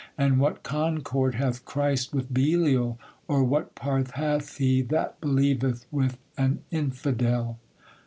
and what concord hath Christ with Belial? or what part hath he that believeth with an infidel?"